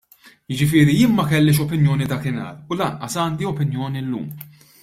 Jiġifieri jiena ma kellix opinjoni dakinhar u lanqas għandi opinjoni llum.